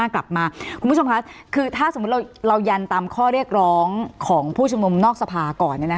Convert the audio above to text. คุณผู้ชมค่ะคือถ้าสมมุติเรายันตามข้อเรียกร้องของผู้ชุมนุมนอกสภาก่อน